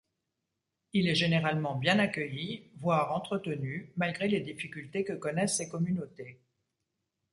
Il est généralement bien accueilli, voire entretenu, malgré les difficultés que connaissent ces communautés.